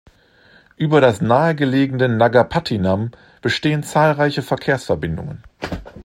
Über das nahegelegene Nagapattinam bestehen zahlreiche Verkehrsverbindungen.